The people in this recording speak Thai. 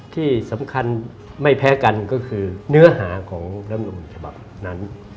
ที่สำคัญไม่แพ้กันก็คือเนื้อหาของรำนูลฉบับนั้น